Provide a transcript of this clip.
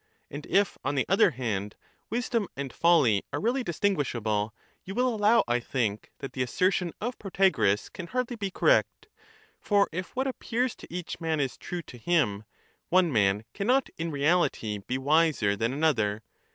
And if, on the other hand, wisdom and folly are really distinguishable, you will allow, I think, that the assertion of Protagoras can hardly be correct. For if what appears to each man is true to him, one man cannot in reality be wiser than another.